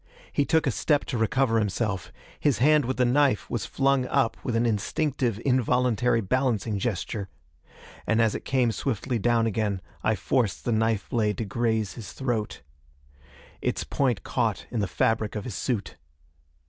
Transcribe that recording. He took a step to recover himself; his hand with the knife was flung up with an instinctive, involuntary balancing gesture. And as it came swiftly down again, I forced the knife blade to graze his throat. Its point caught in the fabric of his suit.